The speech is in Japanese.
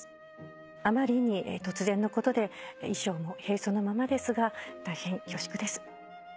あまりに突然のことで衣装も平素のままですが大変恐縮です。